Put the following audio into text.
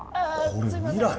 これ未来？